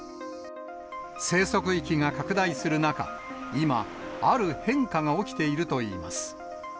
生息域が拡大する中、今、ある変化が起きているといいます。